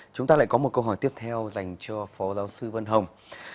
chúng ta lại có một câu hỏi tiếp theo dành cho phó giáo sư vân hồng